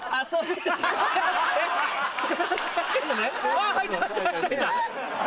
あ入った入った。